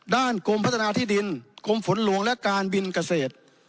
กรมพัฒนาที่ดินกรมฝนหลวงและการบินเกษตร